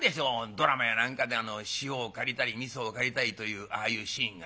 ドラマや何かで塩を借りたりみそを借りたりというああいうシーンが」。